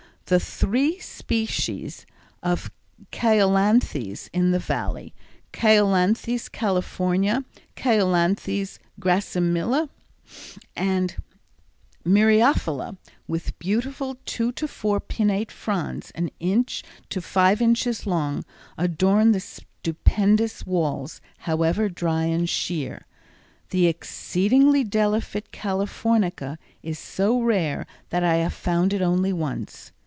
The three species of Cheilanthes in the Valley—C. californica, C. gracillima, and myriophylla, with beautiful two to four pinnate fronds, an inch to five inches long, adorn the stupendous walls however dry and sheer. The exceedingly delicate californica is so rare that I have found it only once.